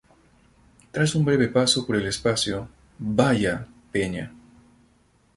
Tras un breve paso por el espacio "¡Vaya peña!